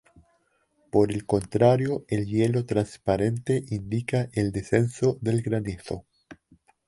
Por el contrario, el hielo transparente indica el descenso del granizo.